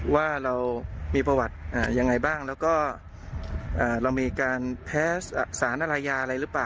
ว่าเรามีประวัติยังไงบ้างแล้วก็เรามีการแพ้สารอะไรยาอะไรหรือเปล่า